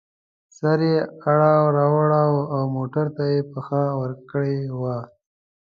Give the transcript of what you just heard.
سر یې اړو را اړوو او موټر ته یې پښه ورکړې وه.